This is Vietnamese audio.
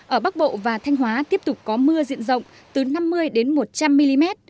ở bắc bộ và thanh hóa tiếp tục có mưa diện rộng từ năm mươi đến một trăm linh mm